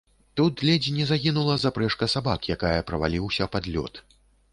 Тут ледзь не загінула запрэжка сабак, якая праваліўся пад лёд.